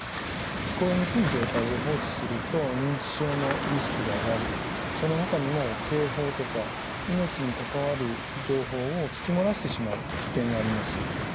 聞こえにくい状態を放置すると認知症のリスクが上がるそのほかにも警報とか命に関わる情報を聞き漏らしてしまう危険があります。